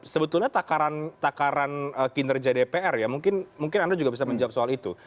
sebetulnya takaran kinerja dpr ya mungkin anda juga bisa menjawab soal itu